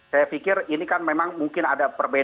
saya pikir ini kan memang mungkin ada perbedaan